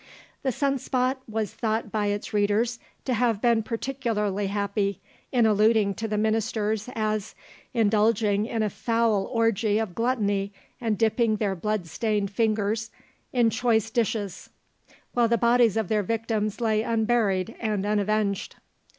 THE SUNSPOT was thought by its readers to have been particularly happy in alluding to the ministers as, "Indulging in a foul orgie of gluttony and dipping their blood stained fingers in choice dishes, while the bodies of their victims lay unburied and unavenged."